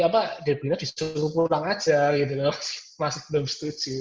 masih debrina disuruh pulang saja masih belum setuju